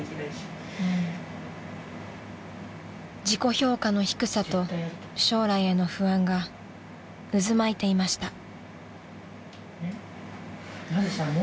［自己評価の低さと将来への不安が渦巻いていました］